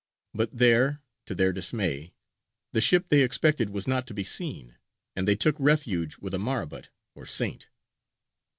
But there, to their dismay, the ship they expected was not to be seen, and they took refuge with a marabut or saint.